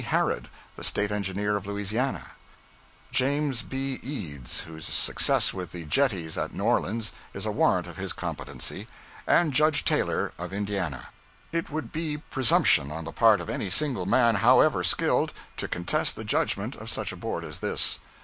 Harrod, the State Engineer of Louisiana; Jas. B. Eads, whose success with the jetties at New Orleans is a warrant of his competency, and Judge Taylor, of Indiana. It would be presumption on the part of any single man, however skilled, to contest the judgment of such a board as this.